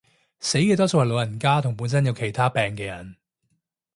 死嘅多數係老人家同本身有其他病嘅人